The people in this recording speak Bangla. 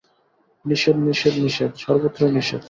নিষেধ, নিষেধ, নিষেধ, সর্বত্রই নিষেধ!